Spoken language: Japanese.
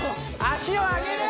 足を上げる！